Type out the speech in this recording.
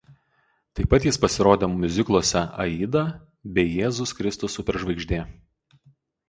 Taip pat jis pasirodė miuzikluose „Aida“ bei „Jėzus Kristus superžvaigždė“.